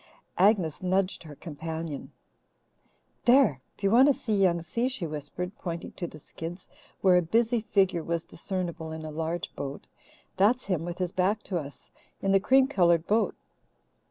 Agnes nudged her companion. "There! If you want to see Young Si," she whispered, pointing to the skids, where a busy figure was discernible in a large boat, "that's him, with his back to us, in the cream coloured boat.